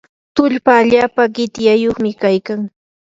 tullpa allapa qityayuqmi kaykan.